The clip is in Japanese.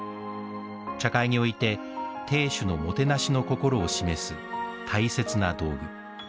茶会において亭主のもてなしの心を示す大切な道具。